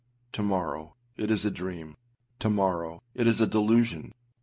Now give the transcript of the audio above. To morrow â it is a dream. To morrow â it is a delusion.